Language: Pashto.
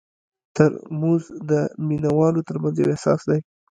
ترموز د مینه والو ترمنځ یو احساس دی.